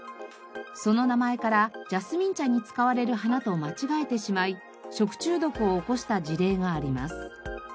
その名前からジャスミン茶に使われる花と間違えてしまい食中毒を起こした事例があります。